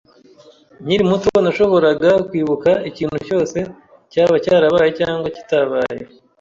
Nkiri muto nashoboraga kwibuka ikintu cyose, cyaba cyarabaye cyangwa kitabaye.